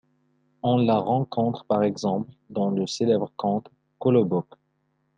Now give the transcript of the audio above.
On la rencontre par exemple dans le célèbre conte Kolobok.